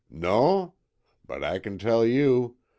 NON? But I can tell you.